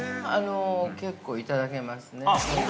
◆結構いただけますね、うん。